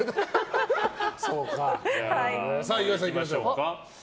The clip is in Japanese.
岩井さん、いきましょうか。